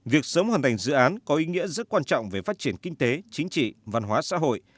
việc sớm hoàn thành dự án có ý nghĩa rất quan trọng về phát triển kinh tế chính trị văn hóa xã hội